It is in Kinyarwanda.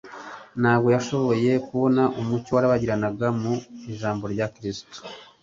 Ntabwo yashoboye kubona umuc, warabagiranaga mu ijambo rya Kristo